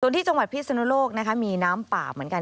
ส่วนที่จังหวัดพิศนุโลกนะคะมีน้ำป่าเหมือนกัน